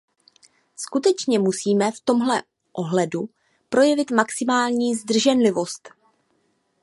Skutečně musíme v tomto ohledu projevit maximální zdrženlivost.